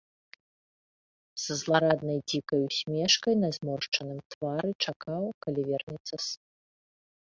З злараднай дзікай усмешкай на зморшчаным твары чакаў, калі вернецца сын.